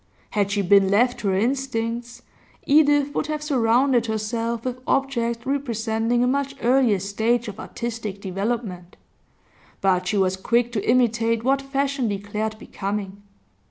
Had she been left to her instincts, Edith would have surrounded herself with objects representing a much earlier stage of artistic development; but she was quick to imitate what fashion declared becoming.